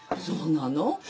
そうなの？